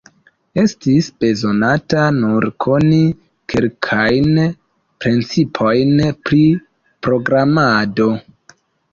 Estis bezonata nur koni kelkajn principojn pri programado.